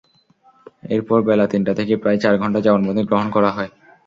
এরপর বেলা তিনটা থেকে প্রায় চার ঘণ্টা জবানবন্দি গ্রহণ করা হয়।